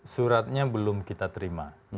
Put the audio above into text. suratnya belum kita terima